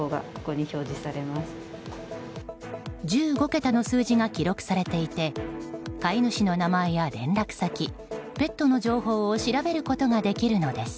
１５桁の数字が記録されていて飼い主の名前や連絡先ペットの情報を調べることができるのです。